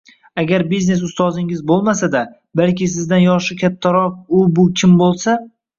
Agar biznes ustozingiz boʻlmasa-da, balki sizdan yoshi kattaroq u-bu kim boʻlsa